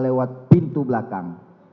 lewat pintu belakang